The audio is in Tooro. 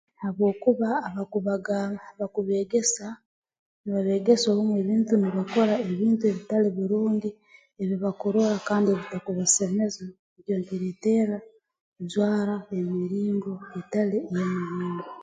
Habwokuba abagubaga abakubeegesa nibabeegesa obumu ebintu nibakora ebintu ebitali birungi ebi bakurora kandi ebitakubasemeza ekyo nkireeterra kujwara emiringo etali emu n'emu